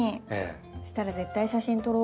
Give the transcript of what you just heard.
そしたら絶対写真撮ろう。